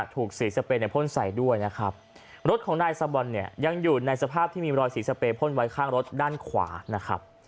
ถูกสีสเปนในพ่นใส่ด้วยนะครับรถของนายซาบอลเนี่ยยังอยู่ในสภาพที่มีรอยสีสเปรพ่นไว้ข้างรถด้านขวานะครับ